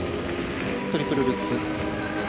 トリプルルッツ。